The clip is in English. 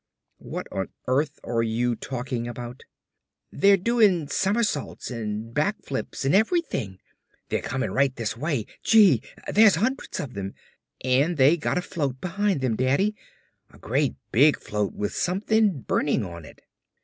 "What on earth are you talking about?" "They're doing somersaults and back flips and everything! They're coming right this way! Gee, there's hundreds of them. And they got a float behind them, Daddy! A great big float with something burning on it."